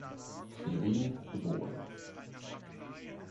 Quirin, geboren.